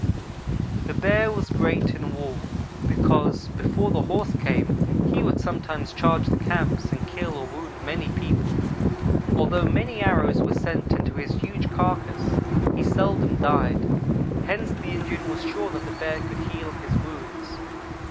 The bear was great in war, because before the horse came, he would sometimes charge the camps and kill or wound many people. Although many arrows were sent into his huge carcass, he seldom died. Hence the Indian was sure that the bear could heal his wounds.